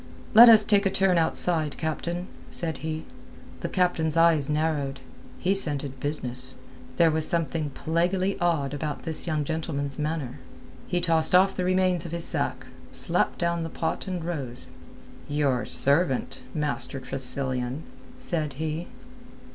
"Let us take a turn outside, captain," said he. The captain's eyes narrowed. He scented business. There was something plaguily odd about this young gentleman's manner. He tossed off the remains of his sack, slapped down the pot and rose. "Your servant, Master Tressilian," said he.